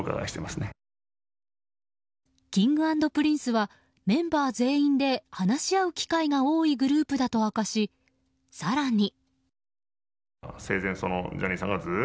Ｋｉｎｇ＆Ｐｒｉｎｃｅはメンバー全員で話し合う機会が多いグループだと明かし、更に。